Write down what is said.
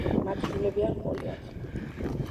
მათ შვილები არ ყოლიათ.